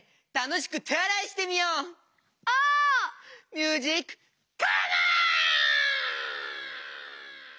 ミュージックカモン！